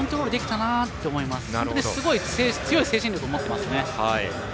なので、すごい強い精神力を持っていますね。